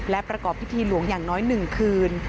และประกอบพิธีหลวงอย่างน้อย๑คืน